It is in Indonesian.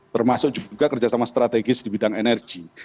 termasuk juga kerjasama strategis di bidang energi